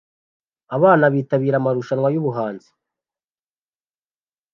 Abana bitabira amarushanwa yubuhanzi